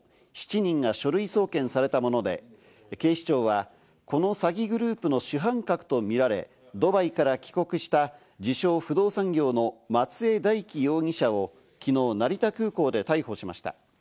７人が書類送検されたもので、警視庁はこの詐欺グループの主犯格とみられ、ドバイから帰国した自称不動産業の松江大樹容疑者を昨日、成田空港で逮捕しました。